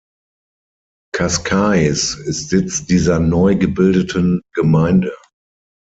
Cascais ist Sitz dieser neu gebildeten Gemeinde.